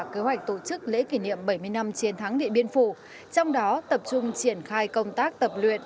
kế hoạch tổ chức lễ kỷ niệm bảy mươi năm chiến thắng địa biên phủ trong đó tập trung triển khai công tác tập luyện